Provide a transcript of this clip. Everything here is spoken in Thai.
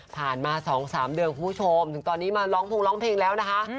มา๒๓เดือนคุณผู้ชมถึงตอนนี้มาร้องพงร้องเพลงแล้วนะคะ